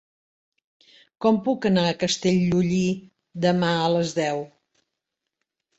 Com puc anar a Castellolí demà a les deu?